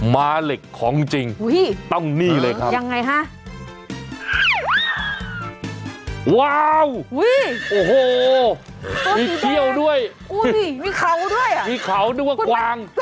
ม้าเหล็กของจริงต้องนี่เลยครับว้าวโอ้โหมีเขี้ยวด้วยมีเขาด้วยมีเขาด้วยว่ากวาง